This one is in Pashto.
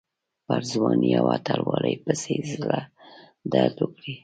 پر ځوانۍ او اتلولۍ پسې یې زړه درد وکړي.